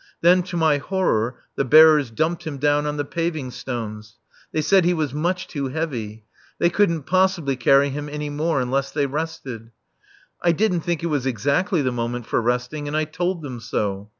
Then, to my horror, the bearers dumped him down on the paving stones. They said he was much too heavy. They couldn't possibly carry him any more unless they rested. I didn't think it was exactly the moment for resting, and I told them so.